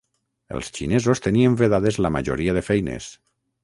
Els xinesos tenien vedades la majoria de feines.